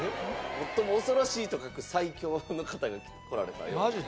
「最も恐ろしい」と書く最恐の方が来られたようで。